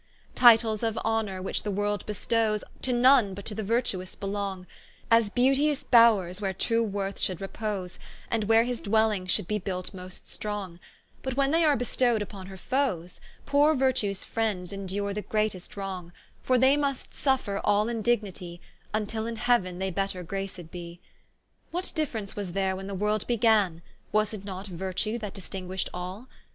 Titles of honour which the world bestowes, To none but to the virtous belong; As beauteous bowres where true worth should repose, And where his dwellings should be built most strong: But when they are bestow'd vpon her foes, Poore virtues friends indure the greatest wrong: For they must suffer all indignity, Vntill in heau'n they better graced be. What difference was there when the world began, Was it not Virtue that distinguisht all?